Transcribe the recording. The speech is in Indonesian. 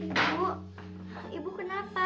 ibu ibu kenapa